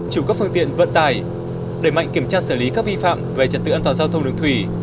chủ các phương tiện vận tải đẩy mạnh kiểm tra xử lý các vi phạm về trật tự an toàn giao thông đường thủy